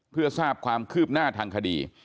เพื่อทราบความคืบหน้าทางคดี